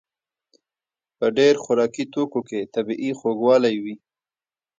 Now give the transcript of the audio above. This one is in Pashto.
په ډېر خوراکي توکو کې طبیعي خوږوالی وي.